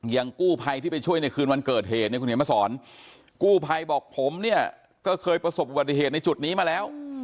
กู้ภัยที่ไปช่วยในคืนวันเกิดเหตุเนี่ยคุณเห็นมาสอนกู้ภัยบอกผมเนี่ยก็เคยประสบอุบัติเหตุในจุดนี้มาแล้ว